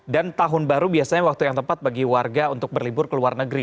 dan tahun baru biasanya waktu yang tepat bagi warga untuk berlibur ke luar negeri